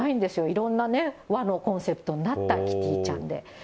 いろんなね、和のコンセプトになったキティちゃんで。